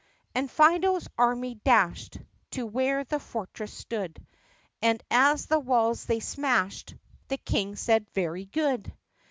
And Fido's army dashed To where the fortress stood, And as the walls they smashed The King said, "Very good